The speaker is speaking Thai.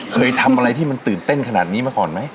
เคยทำอะไรที่มันตื่นเต้นขนาดนี้มาก่อนไหม